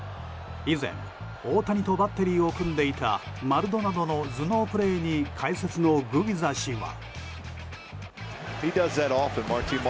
以前、大谷とバッテリーを組んでいたマルドナドの頭脳プレーに解説のグビザ氏は。